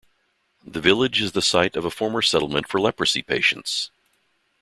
The village is the site of a former settlement for leprosy patients.